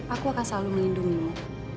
aku akan selalu melindungimu